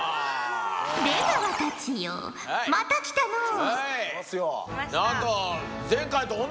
出川たちよまた来たのう。